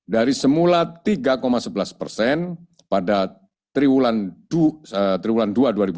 dari semula tiga sebelas persen pada triwulan dua dua ribu dua puluh